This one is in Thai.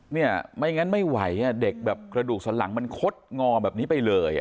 เนี่ยไม่งั้นไม่ไหวเด็กแบบกระดูกสันหลังมันคดงอแบบนี้ไปเลย